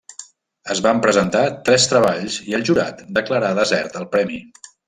Es van presentar tres treballs i el jurat declarà desert el premi.